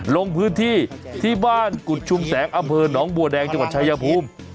ลงพื้นที่ที่บ้านกุฎชุมแสงอำเภอหนองบัวแดงจังหวัดชายภูมิ